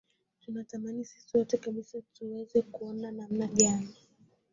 tunatamani sisi wote kabisa tuweze kuona namna gani